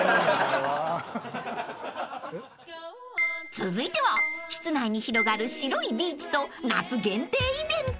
［続いては室内に広がる白いビーチと夏限定イベント］